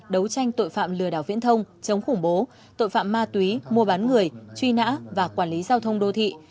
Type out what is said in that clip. đấu tranh tội phạm lừa đảo viễn thông chống khủng bố tội phạm ma túy mua bán người truy nã và quản lý giao thông đô thị